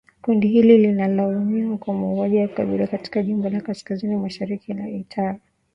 Kundi hili linalaumiwa kwa mauaji ya kikabila katika jimbo la kaskazini mashariki la Ituri